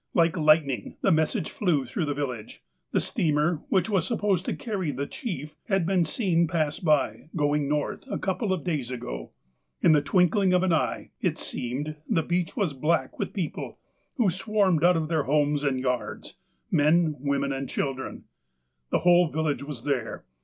Like lightning, the message flew through the village. The steamer, which was supposed to carry " the chief," had been seen pass by, going North, a couple of days ago. In the twinkling of an eye, it seemed, the beach was black with people, who swarmed out of houses and yards, — men, women and children. The whole village was there.